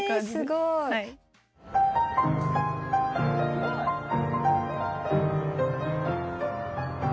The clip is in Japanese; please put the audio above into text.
すごい。